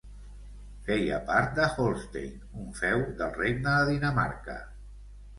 Feia part de Holstein, un feu del regne de Dinamarca.